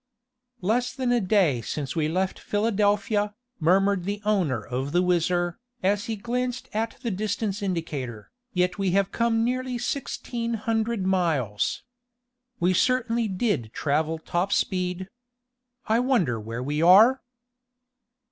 "Less than a day since we left Philadelphia," murmured the owner of the WHIZZER, as he glanced at a distance indicator, "yet we have come nearly sixteen hundred miles. We certainly did travel top speed. I wonder where we are?"